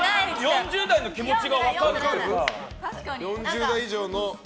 ４０代の気持ちが分かるの？